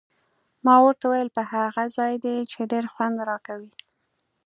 ما ورته وویل: پر هغه ځای دې، چې ډېر خوند راکوي.